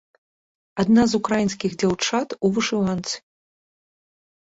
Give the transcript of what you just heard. Адна з украінскіх дзяўчат у вышыванцы.